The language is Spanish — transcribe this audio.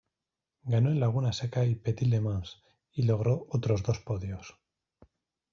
Ganó en Laguna Seca y Petit Le Mans, y logró otros dos podios.